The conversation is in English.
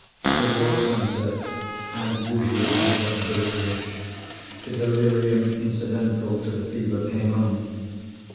Towards sunset, as usual in such cases, the delirium incidental to the fever came on.